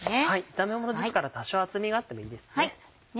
炒めものですから多少厚みがあってもいいですね。